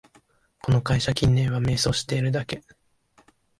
この会社、近年は迷走してるだけ